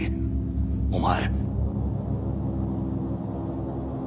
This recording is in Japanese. お前。